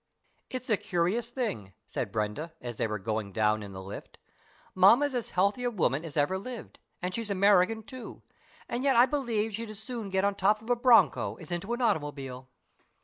"It's a curious thing," said Brenda, as they were going down in the lift, "Mamma's as healthy a woman as ever lived, and she's American too, and yet I believe she'd as soon get on top of a broncho as into an automobile."